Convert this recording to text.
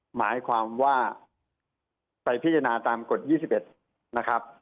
หมายความว่าไปพิจารณาตามกฎ๒๑นะครับ